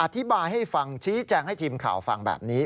อธิบายให้ฟังชี้แจงให้ทีมข่าวฟังแบบนี้